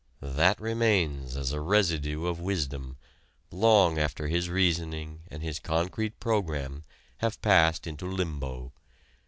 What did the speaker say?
That remains as a residue of wisdom long after his reasoning and his concrete program have passed into limbo.